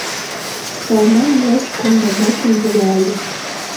Талман лач коҥгамбачын вола ыле.